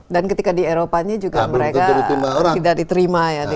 dan ketika di eropanya juga mereka tidak diterima ya